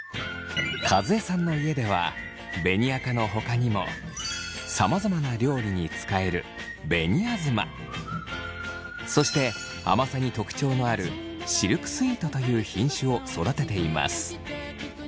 和江さんの家では紅赤のほかにもさまざまな料理に使える紅あずまそして甘さに特徴のあるシルクスイートという品種を育てています。